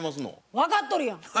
分かっとるやん。